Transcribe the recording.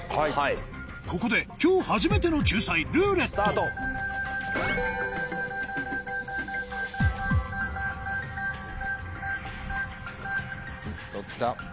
ここで今日初めての救済「ルーレット」どっちだ？